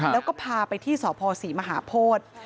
แล้วก็พาไปที่สพศรีมหาโพธิ